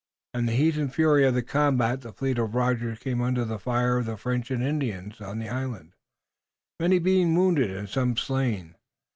In the heat and fury of the combat the fleet of Rogers came under the fire of the French and Indians on the island, many being wounded and some slain.